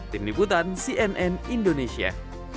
tim niputan cnn indonesia